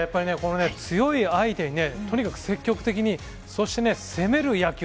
強い相手に積極的に、そして攻める野球。